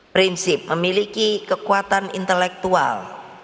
prinsip memiliki kekuatan intelektual